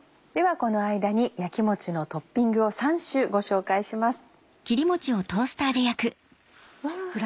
この間に焼きもちのトッピングを３種ご紹介します。わ。